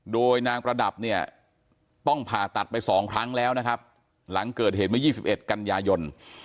โดยนางประดับเนี่ยต้องผ่าตัดไป๒ครั้งแล้วนะครับหลังเกิดเหตุเมื่อ๒๑กันยายน